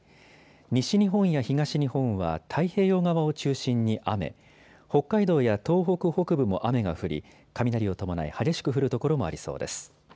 西日本や東日本は太平洋側を中心に雨、北海道や東北北部も雨が降り、雷を伴い激しく降る所もありそうです。